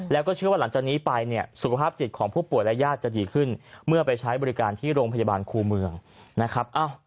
แล้วก็เชื่อว่าหลังจากนี้ไปเนี่ยสุขภาพจิตของผู้ป่วยและญาติจะดีขึ้นเมื่อไปใช้บริการที่โรงพยาบาลครูเมืองนะครับ